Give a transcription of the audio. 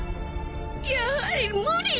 やはり無理だ。